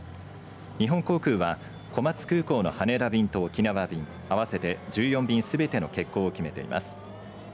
日本航空は小松空港の羽田便と沖縄便合わせて１４便すべての欠航を決めています。